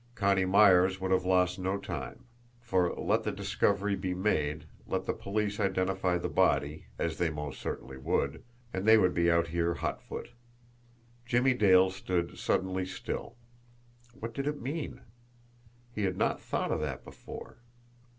Connie Myers would have lost no time; for, let the discovery be made, let the police identify the body, as they most certainly would, and they would be out here hotfoot. Jimmie Dale stood suddenly still. What did it mean! He had not thought of that before!